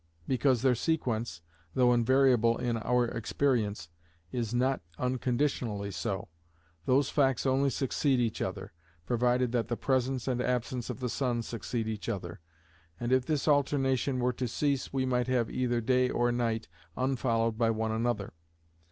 Because their sequence, though invariable in our experience, is not unconditionally so: those facts only succeed each other, provided that the presence and absence of the sun succeed each other, and if this alternation were to cease, we might have either day or night unfollowed by one another.